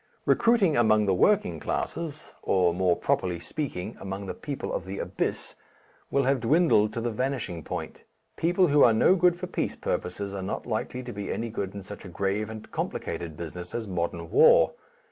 Recruiting among the working classes or, more properly speaking, among the People of the Abyss will have dwindled to the vanishing point; people who are no good for peace purposes are not likely to be any good in such a grave and complicated business as modern war.